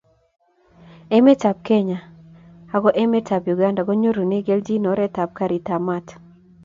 Emetab Kenya ako emetab Uganda konyorunee kelchin oretab gariitab maat.